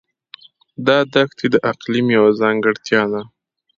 دا دښتې د اقلیم یوه ځانګړتیا ده.